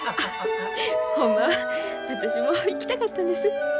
ほんまは私も行きたかったんです。